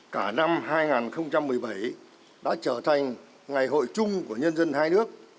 cả năm hai nghìn một mươi bảy đã trở thành ngày hội chung của nhân dân hai nước